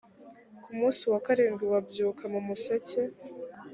ku munsi wa karindwi babyuka mu museke.